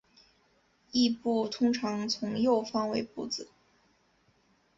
殳部通常从右方为部字。